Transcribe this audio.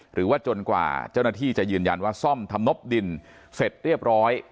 หรือว่าจนกว่าเจ้าหน้าที่จะยืนยันว่าซ่อมทำนบดินเสร็จเรียบร้อย